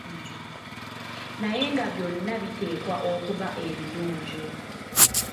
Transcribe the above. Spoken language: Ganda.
Naye nga byonna biteekwa okuba ebiyonjo.